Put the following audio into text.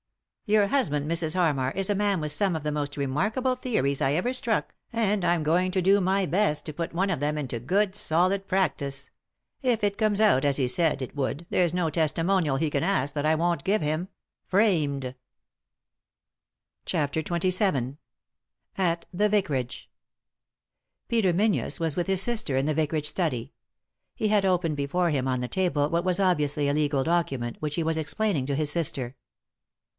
Your husband, Mrs. Harmar, is a man with some of the most remarkable theories I ever struck, and I'm going to do my best to put one of them into good solid practice ; if it comes out as he said it would there's no testimonial he can ask that I won't give him — framed." 287 3i 9 iii^d by Google CHAPTER XXVII AT THE VICARAGE Peter Menzies was with his sister in the vicarage study. He had open before him on the table what was obviously a legal document, which he was ex plaining to his sister.